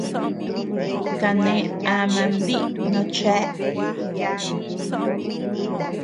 Kane ama ndií no chéa.